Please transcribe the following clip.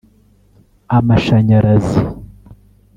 amashanyarazi